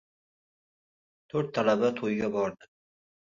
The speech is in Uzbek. Toʻrt talaba toʻyga bordi.